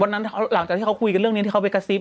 หลังจากที่เขาคุยกันเรื่องนี้ที่เขาไปกระซิบ